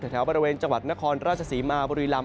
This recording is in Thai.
แถวบริเวณจังหวัดนครราชศรีมาบุรีลำ